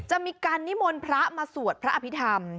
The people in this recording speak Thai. จะมีการนิมนต์พระมาสวดพระอภิษฐรรม